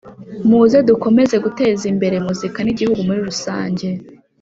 muze dukomeze guteza imbere muzika n’igihugu muri rusange